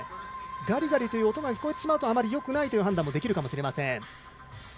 ガリガリという音が聞こえてしまうとよくないという判断もできるかもしれません。